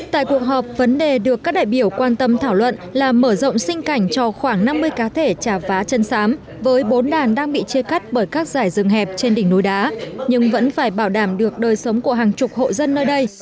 tại cuộc họp vấn đề được các đại biểu quan tâm thảo luận là mở rộng sinh cảnh cho khoảng năm mươi cá thể trà vá chân sám với bốn đàn đang bị chia cắt bởi các giải rừng hẹp trên đỉnh núi đá nhưng vẫn phải bảo đảm được đời sống của hàng chục hộ dân nơi đây